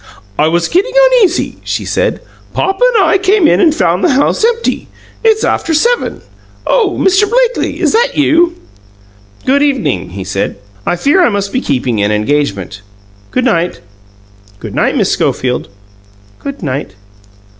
"I was getting uneasy," she said. "Papa and I came in and found the house empty. It's after seven. Oh, Mr. Blakely, is that you?" "Good evening," he said. "I fear I must be keeping an engagement. Good night. Good night, Miss Schofield." "Good night."